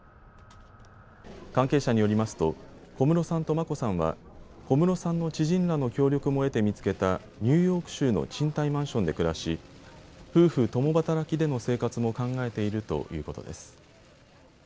関係者によりますと小室さんと眞子さんは小室さんの知人らの協力も得て見つけたニューヨーク州の賃貸マンションで暮らし、夫婦共働きでの生活も考えているということです。